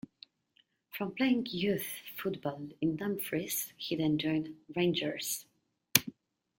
From playing youth football in Dumfries, he then joined Rangers.